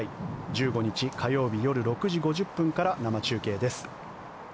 １５日、火曜日夜６時５０分から生中継です。